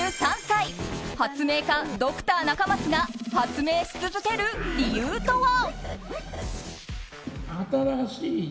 発明家、ドクター中松が発明し続ける理由とは。